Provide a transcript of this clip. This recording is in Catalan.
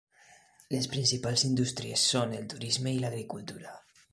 Les principals indústries són el turisme i l'agricultura.